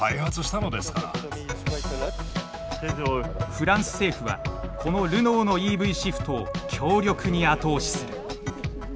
フランス政府はこのルノーのＥＶシフトを強力に後押しする。